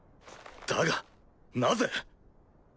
だがなぜ？